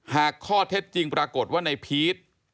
หากข้อเท็จจริงปรากฏว่าในพีช